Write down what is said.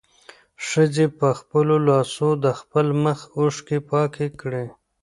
ښځې په خپلو لاسو د خپل مخ اوښکې پاکې کړې.